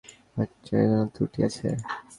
কারন, তোমার মনে হয়েছিলো বাচ্চায় কোন ক্রুটি আছে।